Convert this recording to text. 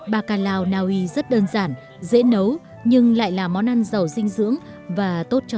bakalau na uy rất đơn giản dễ nấu nhưng lại là món ăn giàu dinh dưỡng và tốt cho sức khỏe